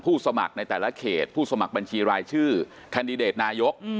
สมัครในแต่ละเขตผู้สมัครบัญชีรายชื่อแคนดิเดตนายก